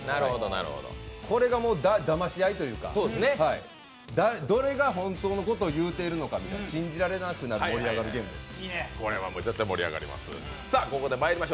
これがだまし合いというか、どれが本当のことを言うてるのか信じられなくなって盛り上がるゲームです。